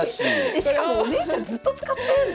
しかもお姉ちゃんずっと使ってるんですねそれ。